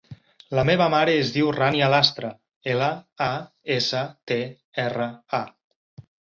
La meva mare es diu Rània Lastra: ela, a, essa, te, erra, a.